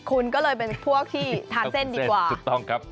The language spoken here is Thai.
คุณก็เลยเป็นพวกที่ทานเส้นดีกว่าถูกต้องครับ